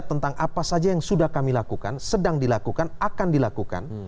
tentang apa saja yang sudah kami lakukan sedang dilakukan akan dilakukan